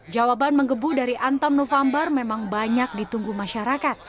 jawaban menggebu dari antam november memang banyak ditunggu masyarakat